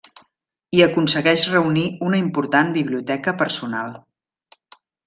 I aconsegueix reunir una important biblioteca personal.